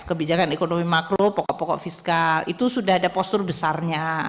kebijakan ekonomi makro pokok pokok fiskal itu sudah ada postur besarnya